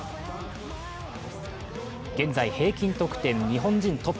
現在、平均得点日本人トップ。